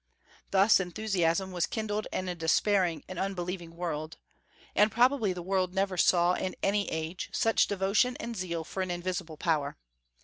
Thus enthusiasm was kindled in a despairing and unbelieving world. And probably the world never saw, in any age, such devotion and zeal for an invisible power.